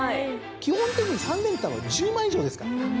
基本的に３連単は１０万以上ですから。